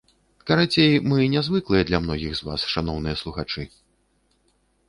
Карацей, мы нязвыклыя для многіх з вас, шаноўныя слухачы.